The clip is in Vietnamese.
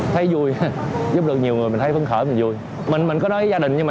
thấy vui giúp được nhiều người mình thấy phấn khởi mình vui mình có nói với gia đình nhưng mà